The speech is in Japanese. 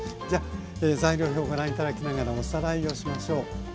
じゃ材料表ご覧頂きながらおさらいをしましょう。